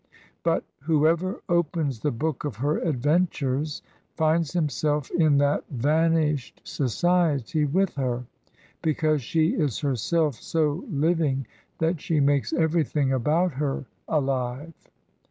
But whoever opens the book of her adventures, finds himself in that vanished society with her, because she is her self so Uving that she makes everything about her alive.